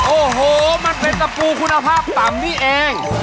โอ้โหมันเป็นตะปูคุณภาพต่ำนี่เอง